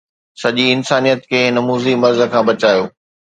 سڄي انسانيت کي هن موذي مرض کان بچايو